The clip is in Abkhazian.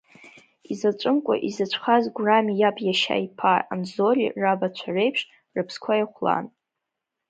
Изаҵәымкәа изаҵәхаз Гәрами иаб иашьа иԥа Анзори рабацәа реиԥш, рыԥсқәа еихәлан.